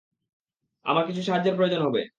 আমার কিছু সাহায্যর প্রয়োজন হবে।